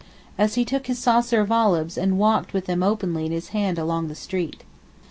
as he took his saucer of olives and walked with them openly in his hand along the street.